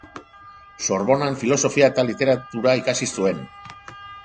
Sorbonan filosofia eta literatura ikasi zuen.